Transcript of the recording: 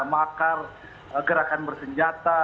makar gerakan bersenjata